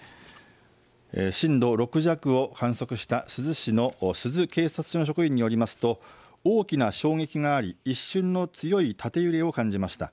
震度６弱を観測した珠洲市の珠洲警察署の職員によりますと大きな衝撃があり一瞬の強い縦揺れを感じました。